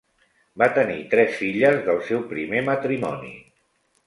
Va tenir tres filles del seu primer matrimoni.